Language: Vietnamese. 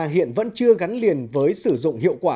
hiện vẫn chưa gắn liền với sử dụng hiệu quả